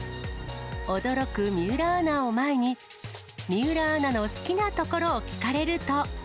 驚く水卜アナを前に、水卜アナの好きなところを聞かれると。